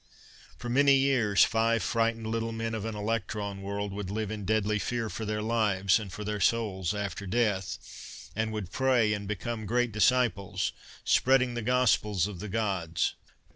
For many years five frightened little men of an electron world would live in deadly fear for their lives, and for their souls after death; and would pray, and become great disciples, spreading the gospels of the Gods.